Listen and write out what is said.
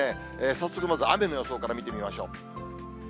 早速、まず雨の予想から見てみましょう。